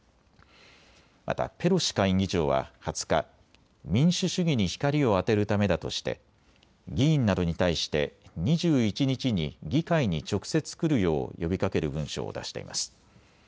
またペロシ下院議長は２０日、民主主義に光を当てるためだとして議員などに対して２１日に議会に直接来るよう呼びかける文書を出しています。